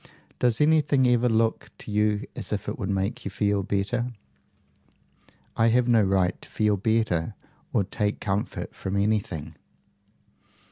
Does anything ever look to you as if it would make you feel better?" "I have no right to feel better or take comfort from anything."